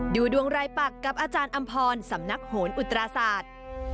ดูดวงรายปักกับอาจารย์อำพรสำนักโหนอุตราศาสตร์